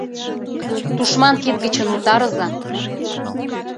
Тушман кид гычын утарыза.